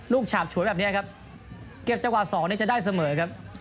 ฉาบฉวยแบบนี้ครับเก็บจังหวะ๒จะได้เสมอครับ